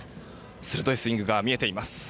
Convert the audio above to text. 鋭いスイングが見えています。